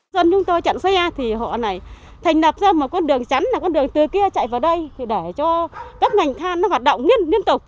dân chúng tôi chặn xe thì họ lại thành lập ra một con đường chắn là con đường từ kia chạy vào đây thì để cho các ngành than nó hoạt động liên tục